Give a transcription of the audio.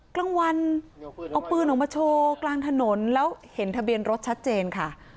กลางวันเอาปืนออกมาโชว์กลางถนนแล้วเห็นทะเบียนรถชัดเจนค่ะ